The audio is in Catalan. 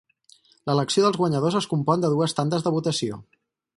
L'elecció dels guanyadors es compon de dues tandes de votació.